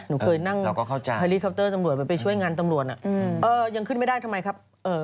หนูเคยนั่งฮารีคัปเตอร์ตำรวจไปช่วยงานตำรวจน่ะเออยังขึ้นไม่ได้ทำไมครับ